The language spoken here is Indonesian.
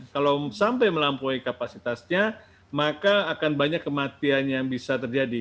kalau sampai melampaui kapasitasnya maka akan banyak kematian yang bisa terjadi